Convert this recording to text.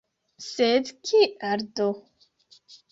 Sed kial do?